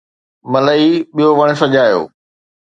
ملئي ٻيو وڻ سجايو